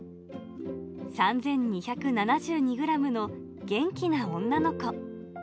３２７２グラムの元気な女の子。